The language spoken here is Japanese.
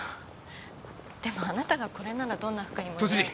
でもあなたがこれならどんな服にも似合うって。